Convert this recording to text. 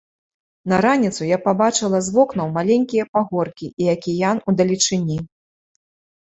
На раніцу я пабачыла з вокнаў маленькія пагоркі і акіян удалечыні.